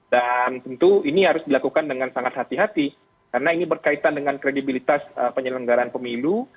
dan tentu ini harus dilakukan dengan sangat hati hati karena ini berkaitan dengan kredibilitas penyelenggaraan pemilu